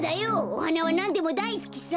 おはなはなんでもだいすきさ。